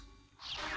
kamu pasti enak